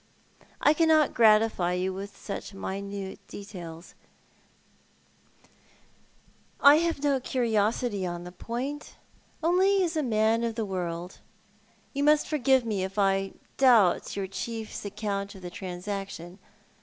"I cannot gratify you with such minute details," " I have no curiosity upon the point, — only as a man of the If it could have been. 7 1 world, you must forgive rue if I doubt your chief's accouut of the transaction.